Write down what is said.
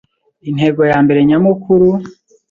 intego ya mbere nyamukuru,